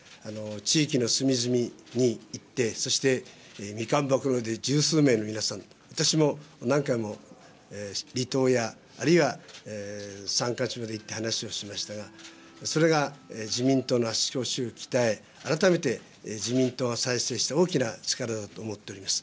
地域の隅々に行って、そしてみかん箱の上で十数名の皆さん、私も何回も離島や、あるいは山間地まで行って話をしましたが、それが自民党の足腰を鍛え、改めて自民党が再生した大きな力だと思っております。